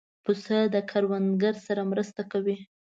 پسه د کروندګر سره مرسته کوي.